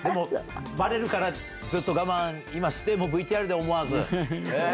バレるからずっと我慢してＶＴＲで思わず。